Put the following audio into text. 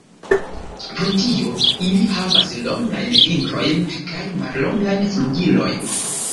Pro tio ili havas longajn fingrojn kaj mallongajn flugilojn.